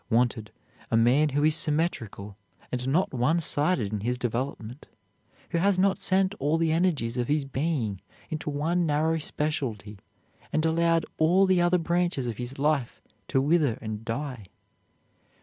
Wanted, a man who is symmetrical, and not one sided in his development, who has not sent all the energies of his being into one narrow specialty and allowed all the other branches of his life to wither and die.